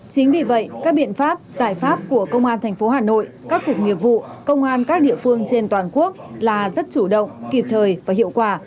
chính vì vậy các biện pháp giải pháp của công an tp hà nội các cục nghiệp vụ công an các địa phương trên toàn quốc là rất chủ động kịp thời và hiệu quả